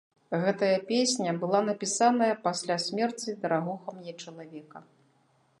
Гэтая песня была напісаная пасля смерці дарагога мне чалавека.